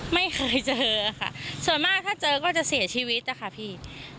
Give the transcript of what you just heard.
ไม่เคยเจอค่ะส่วนมากถ้าเจอก็จะเสียชีวิตนะคะพี่